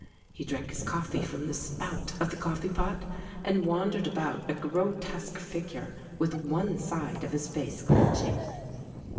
He drank his coffee from the spout of the coffee pot, and wandered about, a grotesque figure, with one side of his face clean shaven.